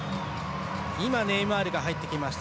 今、ネイマールが入ってきました。